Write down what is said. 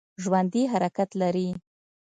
ژوندي حرکت لري